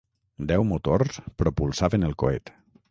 Deu motors propulsaven el coet.